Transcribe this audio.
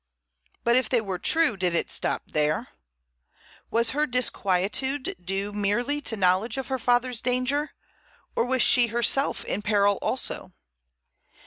But if they were true did it stop there? Was her disquietude due merely to knowledge of her father's danger, or was she herself in peril also?